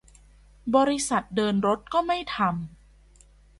บริษัทเดินรถก็ไม่ทำ